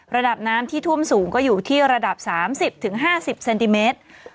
ระดับน้ำที่ท่วมสูงก็อยู่ที่ระดับ๓๐๕๐เซนติเมตร